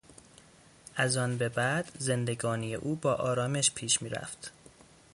از آن به بعد زندگانی او با آرامش پیش میرفت.